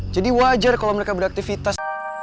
jadi wajar kalau mereka beraktifitas